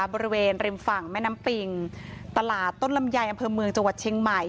บริเวณริมฝั่งแม่น้ำปิงตลาดต้นลำไยอำเภอเมืองจังหวัดเชียงใหม่